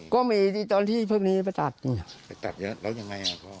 ก็มีตอนที่พวกนี้ไปตัดเนี่ยไปตัดเนี้ยแล้วยังไงอ่ะพ่อ